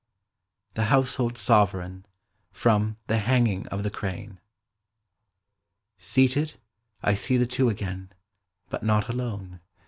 "THE HOUSEHOLD SOVEREIGN." FROM " THE HANGING OF THE CRANK." Seated I see the two again, But not alone; the.